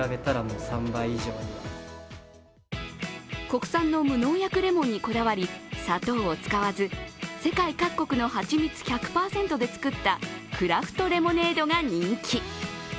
国産の無農薬レモンにこだわり砂糖を使わず世界各国のハチミツ１００％でつくったクラフトレモネードが人気。